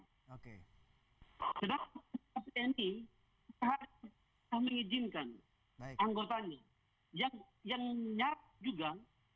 sedangkan ini mengizinkan anggotanya yang nyarap juga